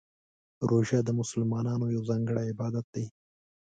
روژه د مسلمانانو یو ځانګړی عبادت دی.